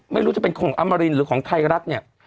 ไม่รู้จะเป็นของอมรินหรือของไทยรัฐเนี่ย